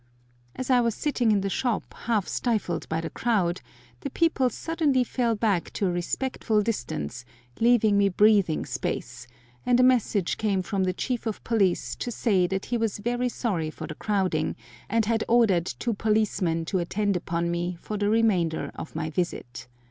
As I was sitting in the shop, half stifled by the crowd, the people suddenly fell back to a respectful distance, leaving me breathing space, and a message came from the chief of police to say that he was very sorry for the crowding, and had ordered two policemen to attend upon me for the remainder of my visit.